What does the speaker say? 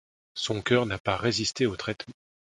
Son cœur n’a pas résisté au traitement.